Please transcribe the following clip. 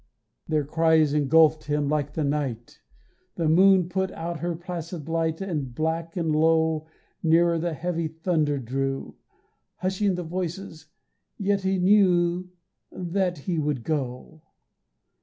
Their cries engulfed him like the night, The moon put out her placid light And black and low Nearer the heavy thunder drew, Hushing the voices ... yet he knew That he would go.